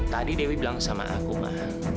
tadi dewi bilang sama aku mah